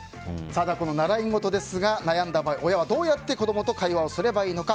この習い事ですが悩んだ場合親はどうやって子供と会話をすればいいのか。